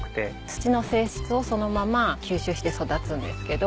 土の性質をそのまま吸収して育つんですけど。